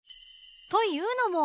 というのも